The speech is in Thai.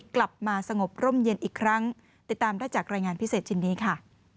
กลับมาสงบร่มเย็นอีกครั้งติดตามได้จากรายงานพิเศษชิ้นนี้ค่ะ